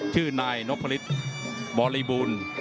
ชื่อนายนพลิศบริบุล